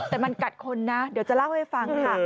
แต่มันกัดคนนะเดี๋ยวจะเล่าให้ฟังค่ะ